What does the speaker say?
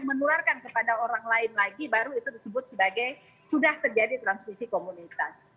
menularkan kepada orang lain lagi baru itu disebut sebagai sudah terjadi transmisi komunitas